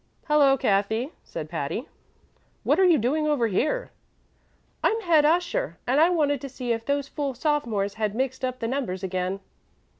"Hello, Cathy," said Patty; "what are you doing over here?" "I'm head usher, and I wanted to see if those foolish sophomores had mixed up the numbers again."